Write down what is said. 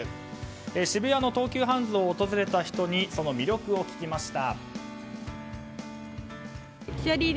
渋谷の東急ハンズを訪れた人にその魅力を聞きました。